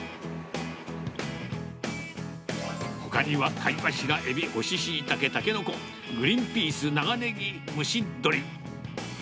ほかには貝柱、エビ、干しシイタケ、タケノコ、グリンピース、長ネギ、蒸し鶏。